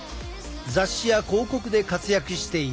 雑誌や広告で活躍している。